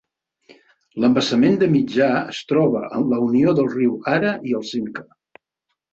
L'embassament de Mitjà es troba en la unió del riu Ara i el Cinca.